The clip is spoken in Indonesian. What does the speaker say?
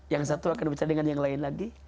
yang satu akan bicara dengan yang lain lagi